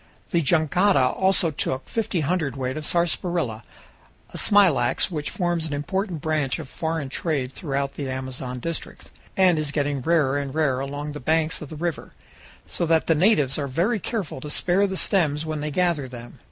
The jangada also took fifty hundredweight of sarsaparilla, a smilax which forms an important branch of foreign trade throughout the Amazon districts, and is getting rarer and rarer along the banks of the river, so that the natives are very careful to spare the stems when they gather them.